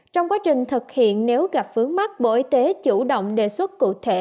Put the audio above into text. trong quá trình thực hiện nếu gặp vướng mắt bộ y tế chủ động đề xuất cụ thể